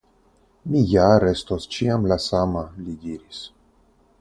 Mi ja restos ĉiam la sama, li diris.